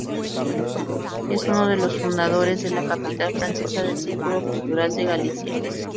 Es uno de los fundadores de la capital francesa del Círculo Cultural de Galicia.